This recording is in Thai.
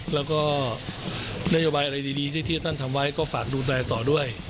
แล้วก็นโยบายอะไรดีที่ท่านทำไว้ก็ฝากดูแลต่อด้วย